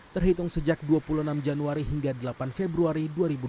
terhitung sejak dua puluh enam januari hingga delapan februari dua ribu dua puluh